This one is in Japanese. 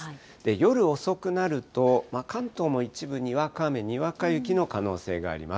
夜遅くなると、関東の一部、にわか雨、にわか雪の可能性があります。